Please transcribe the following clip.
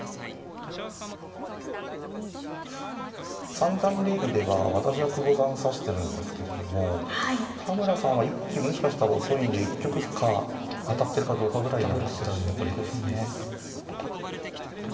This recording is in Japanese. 三段リーグでは私は久保さんと指してるんですけれども田村さんは１期もしかしたら遅いんで一局か当たってるかどうかぐらいなのかもしれないですね。